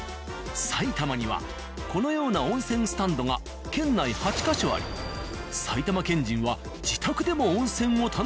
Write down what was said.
埼玉にはこのような温泉スタンドが県内８ヶ所あり埼玉県人は自宅でも温泉を楽しんでいる。